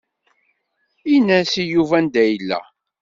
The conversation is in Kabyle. In-as i Yuba anda yella.